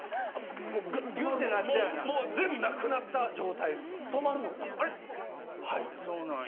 全部なくなった状態です。